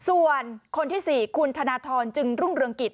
ส่วนคนที่๔คุณธนทรจึงรุ่งเรืองกิจ